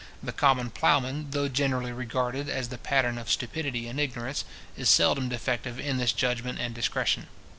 The common ploughman, though generally regarded as the pattern of stupidity and ignorance, is seldom defective in this judgment and discretion.